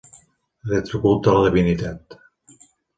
Retre culte a la divinitat.